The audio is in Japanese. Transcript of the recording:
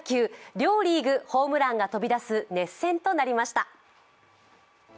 両リーグ、ホームランが飛び出す熱戦となりました。